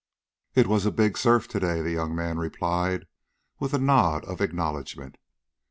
"It was a big surf to day," the young man replied, with a nod of acknowledgment.